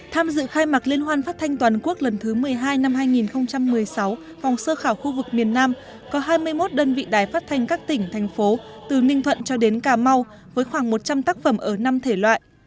tham dự khai mạc liên hoan phát thanh toàn quốc lần thứ một mươi hai năm hai nghìn một mươi sáu phòng sơ khảo khu vực miền nam có hai mươi một đơn vị đài phát thanh các tỉnh thành phố từ ninh thuận cho đến cà mau với khoảng một trăm linh tác phẩm ở năm thể loại